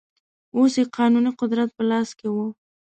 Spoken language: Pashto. اوس یې قانوني قدرت په لاس کې و.